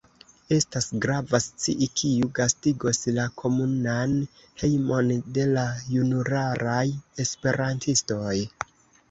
Estas grava scii kiu gastigos la komunan hejmon de la junularaj esperantistoj